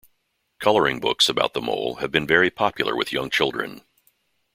Coloring books about the Mole have been very popular with young children.